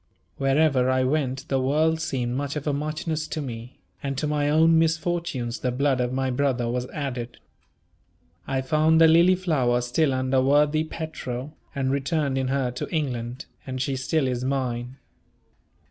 Wherever I went the world seemed much of a muchness to me; and to my own misfortunes the blood of my brother was added. I found the "Lilyflower" still under worthy Petro, and returned in her to England, and she still is mine.